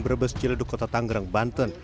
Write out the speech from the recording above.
brebes ciledug kota tanggerang banten